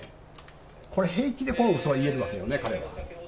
これ、平気でこのうそが言えるわけよね、彼は。